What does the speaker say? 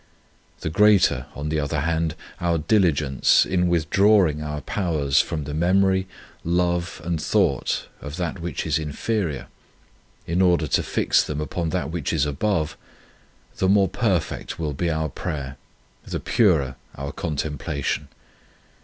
The greater, on the other hand, our diligence in withdrawing our powers from the memory, love and thought of that which is inferior in order to fix them upon that which is above, the more perfect will be our prayer, the purer our contem plation.